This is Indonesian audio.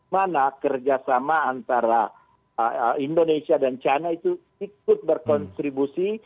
mana kerjasama antara indonesia dan china itu ikut berkontribusi